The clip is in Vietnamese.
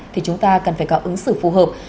thì chúng ta cần phải có ứng xử phù hợp